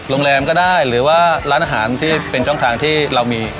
โรงแรมก็ได้หรือว่าร้านอาหารที่เป็นช่องทางที่เรามี